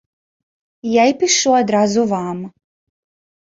Я і пішу адразу вам.